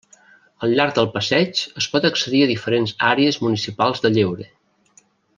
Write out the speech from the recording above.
Al llarg del passeig es pot accedir a diferents àrees municipals de lleure.